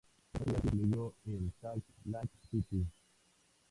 Tras noventa días, la gira concluyó en Salt Lake City.